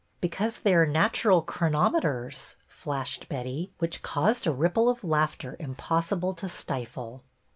" Because they are natural chronometers," flashed Betty, which caused a ripple of laughter impossible to stifle.